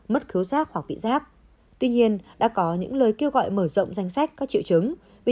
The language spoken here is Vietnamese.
mất thiếu rác hoặc bị rác tuy nhiên đã có những lời kêu gọi mở rộng danh sách các triệu chứng vì